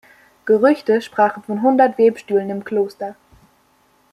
Gerüchte sprachen von hundert Webstühlen im Kloster.